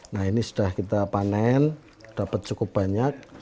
nah ini sudah kita panen dapat cukup banyak